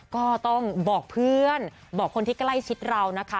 ก็ต้องบอกเพื่อนบอกคนที่ใกล้ชิดเรานะคะ